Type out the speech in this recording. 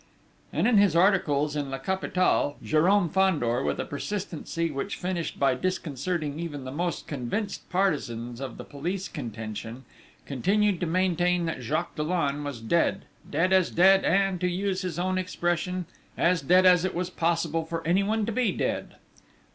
And in his articles in La Capitale, Jérôme Fandor, with a persistency which finished by disconcerting even the most convinced partisans of the police contention, continued to maintain that Jacques Dollon was dead, dead as dead, and, to use his own expression, "as dead as it was possible for anyone to be dead!"